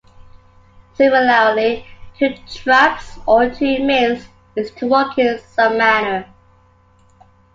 Similarly, to traipse or to mince is to walk in some manner.